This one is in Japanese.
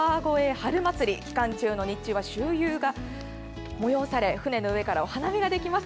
春まつり期間中の日中は舟遊が催され舟の上からお花見ができます。